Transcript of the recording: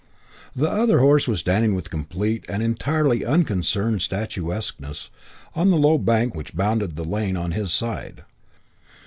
The other horse was standing with complete and entirely unconcerned statuesqueness on the low bank which bounded the lane on his other side.